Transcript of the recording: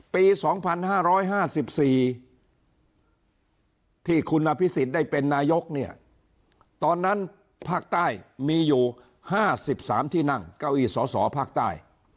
ปี๒๕๕๔ที่คุณอภิษฎได้เป็นนายกเนี่ยตอนนั้นภาคใต้มีอยู่๕๓ที่นั่งเก้าอี้สสภาคใต้